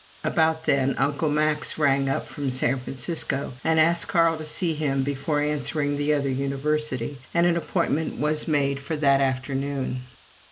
About then "Uncle Max" rang up from San Francisco and asked Carl to see him before answering this other University, and an appointment was made for that afternoon.